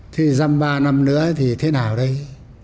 thì dăm ba năm nữa thì thế nào đây